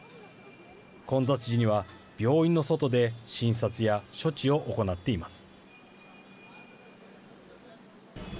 混雑時には病院の外で診察や処置を行っています。